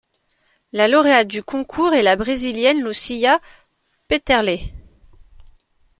La lauréate du concours est la brésilienne Lúcia Petterle.